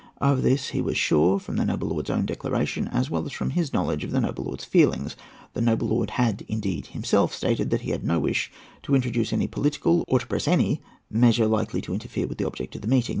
Of this he was sure from the noble lord's own declaration, as well as from his knowledge of the noble lord's feelings. The noble lord had, indeed, himself stated that he had no wish to introduce any political, or to press any, measure likely to interfere with the object of the meeting.